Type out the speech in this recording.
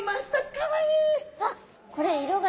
かわいい！